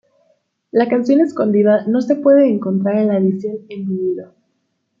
La canción escondida no se puede encontrar en la edición en vinilo.